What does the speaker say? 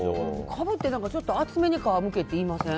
かぶって厚めに皮むけって言いません？